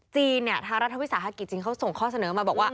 ทางรัฐวิสาหกิจจีนเขาส่งข้อเสนอมาบอกว่า